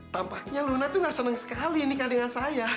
tampaknya luna tuh gak senang sekali nikah dengan saya